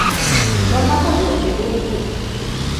Nomako yoo kendo owuok.